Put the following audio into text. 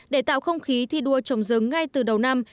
để tạo không khí thi đua trồng rừng ngay từ đầu năm